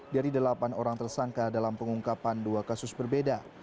dari delapan orang tersangka dalam pengungkapan dua kasus berbeda